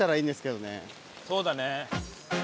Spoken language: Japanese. そうだね。